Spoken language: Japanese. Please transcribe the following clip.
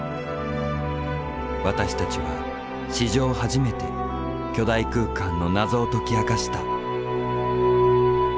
私たちは史上初めて巨大空間の謎を解き明かした。